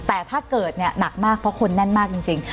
แต่ถ้าเกิดเนี่ยหนักมากเพราะคนแน่นมากจริง